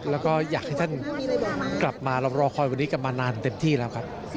แล้วก็อยากให้ท่านกลับมาเรารอคอยวันนี้กลับมานานเต็มที่แล้วครับ